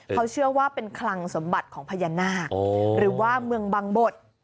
เขาเชื่อว่าเป็นคลังสมบัติของพญานาคหรือว่าเมืองบังบด